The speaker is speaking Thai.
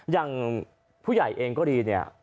อย่างผู้ใหญ่เองก็ดีเนี่ย